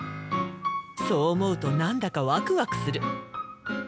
そう思うと何だかワクワクする。